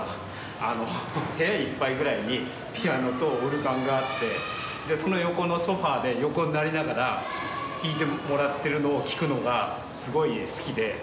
あの部屋いっぱいぐらいにピアノとオルガンがあってでその横のソファーで横になりながら弾いてもらっているのを聴くのがすごい好きで。